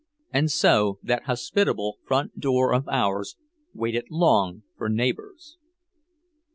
And so that hospitable front door of ours waited long for neighbors.